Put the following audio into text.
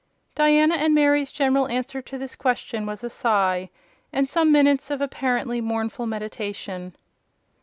Diana and Mary's general answer to this question was a sigh, and some minutes of apparently mournful meditation.